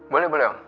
boleh boleh om